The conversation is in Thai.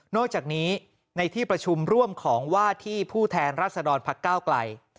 อกจากนี้ในที่ประชุมร่วมของว่าที่ผู้แทนรัศดรพักก้าวไกล